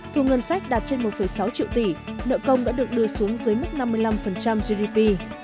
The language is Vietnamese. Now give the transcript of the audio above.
thu ngân sách đạt trên một sáu triệu tỷ nợ công đã được đưa xuống dưới mức năm mươi năm gdp